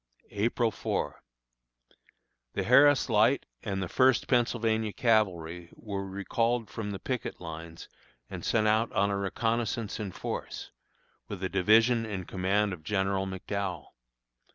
April 4. The Harris Light and the First Pennsylvania Cavalry were recalled from the picket lines and sent out on a reconnoissance in force, with a division in command of General McDowell.